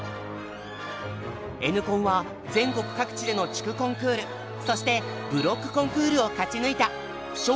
Ｎコンは全国各地での地区コンクールそしてブロックコンクールを勝ち抜いた小